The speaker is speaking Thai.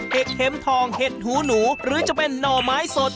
เข็มทองเห็ดหูหนูหรือจะเป็นหน่อไม้สด